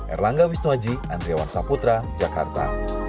erlangga wisnuaji andriawan saputra jakarta